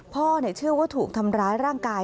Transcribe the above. พ่อเชื่อว่าถูกทำร้ายร่างกาย